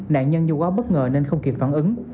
nạn nhân nhu quáo bất ngờ nên không kịp phản ứng